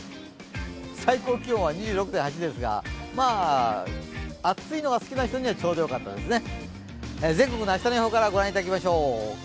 最高気温は２６．８ですが、暑いのが好きな人にはちょうどよかったですね。